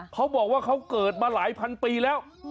เขาบอกว่าเขาเกิดมาหลายพันปีแล้ว